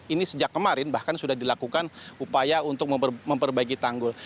ini sejak kemarin bahkan sudah dilakukan upaya untuk memperbaiki tanggul